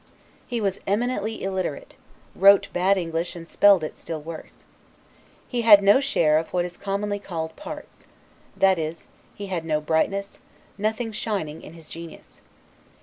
He was eminently illiterate; wrote bad English and spelled it still worse. He had no share of what is commonly called PARTS: that is, he had no brightness, nothing shining in his genius.